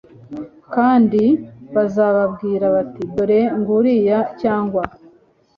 Kandi bazababwira bati Dore nguriya cyangwa